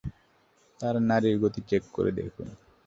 তার নাড়ির গতি চেক করে দেখুন।